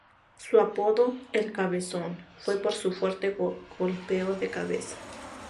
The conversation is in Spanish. Su apodo ""el cabezón"' fue por su fuerte golpeo de cabeza.